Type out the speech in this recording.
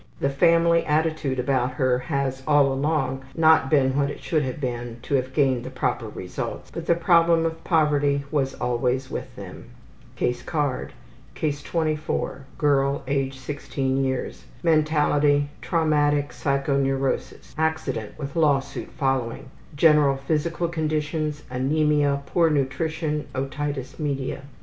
The family attitude about her has, all along, not been what it should have been to have gained the proper results, but the problem of poverty was always with them. Mentality: Traumatic psychoneurosis. Case 24. Girl, age 16 years. Accident, with law suit following. General physical conditions: Anemia, poor nutrition, otitis media.